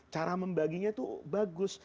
cara membaginya itu bagus